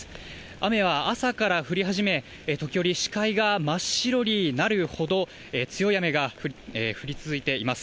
雨は朝から降り始め、時折視界が真っ白になるほど強い雨が降り続いています。